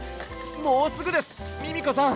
もうすぐですミミコさん！